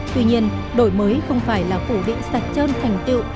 tuy nhiên đổi mới không phải là phủ định sạch trơn thành tựu